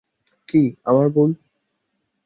কী, আমার ভুল?